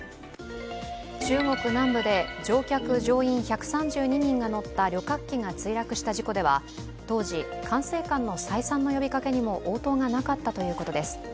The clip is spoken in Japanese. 中国南部で乗客・乗員１３２人が乗った旅客機が墜落した事故では当時、管制官の再三の呼びかけにも応答がなかったということです。